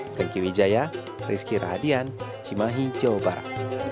saya geng kiwi jaya rizky radian cimahi jawa barat